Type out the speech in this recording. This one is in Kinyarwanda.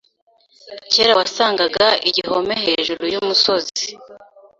Kera wasangaga igihome hejuru yumusozi.